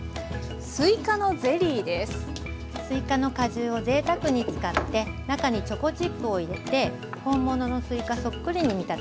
すいかの果汁をぜいたくに使って中にチョコチップを入れて本物のすいかそっくりに見立てました。